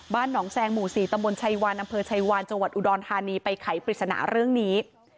บ้านหนองแซงหมู่ศรีตมชัยวานอชัยวานจอุดรธานีไปไขปริศนาเรื่องนี้